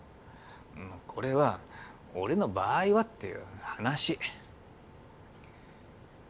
これは俺の場合はっていう話。